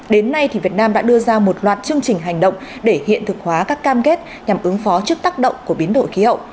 đến nay việt nam đã đưa ra một loạt chương trình hành động để hiện thực hóa các cam kết nhằm ứng phó trước tác động của biến đổi khí hậu